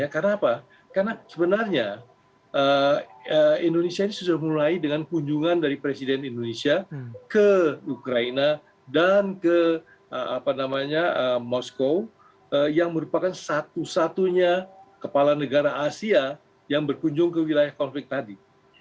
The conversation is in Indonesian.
karena apa karena sebenarnya indonesia ini sudah mulai dengan kunjungan dari presiden indonesia ke ukraina dan ke moskow yang merupakan satu satunya kepala negara asia yang berkunjung ke wilayah konflik tadi